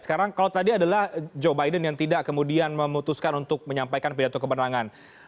sekarang kalau tadi adalah joe biden yang tidak kemudian memutuskan untuk menyampaikan pidato kebenangan